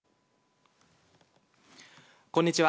こんにちは